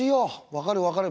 分かる分かる。